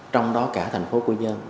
trong đó cả thành phố quy nhơn